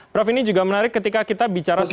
prof ini juga menarik ketika kita bicara soal